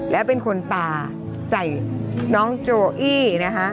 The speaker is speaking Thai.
และเป็นคนปลาใส่น้องโจอี้นะคะ